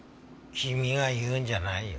君が言うんじゃないよ。